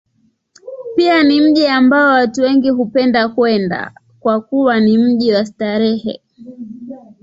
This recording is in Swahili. Pia ni mji ambao watu wengi hupenda kwenda, kwa kuwa ni mji wa starehe.